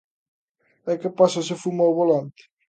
E que pasa se fumo ao volante?